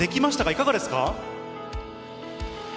いかがですか。